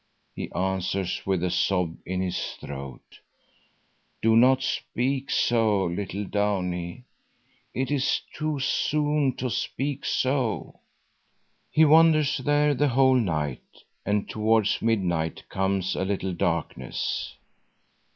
He answers with a sob in his throat: "Do not speak so, little Downie! It is too soon to speak so." He wanders there the whole night and towards midnight comes a little darkness.